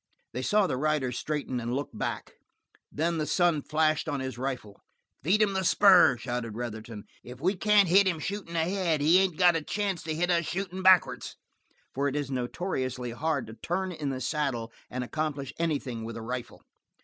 They saw the rider straighten and look back; then the sun flashed on his rifle. "Feed 'em the spur!" shouted Retherton. "If we can't hit him shooting ahead, he ain't got a chance to hit us shootin' backwards." For it is notoriously hard to turn in the saddle and accomplish anything with a rifle.